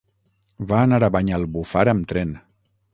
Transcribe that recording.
Va anar a Banyalbufar amb tren.